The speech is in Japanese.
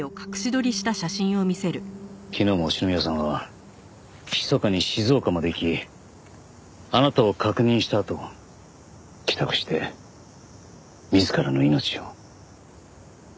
昨日も篠宮さんはひそかに静岡まで行きあなたを確認したあと帰宅して自らの命を。